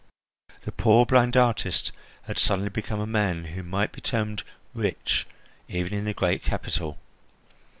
The poor blind artist had suddenly become a man who might be termed "rich," even in the great capital.